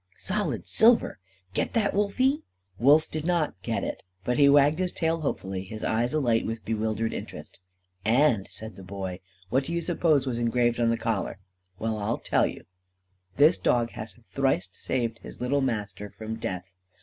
Solid silver! Get that, Wolfie?" Wolf did not "get it." But he wagged his tail hopefully, his eyes alight with bewildered interest. "And," said the Boy, "what do you suppose was engraved on the collar? Well, I'll tell you: '_This dog has thrice saved his little master from death.